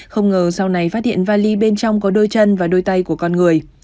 không ngờ sau này phát hiện vali bên trong có đôi chân và đôi tay của con người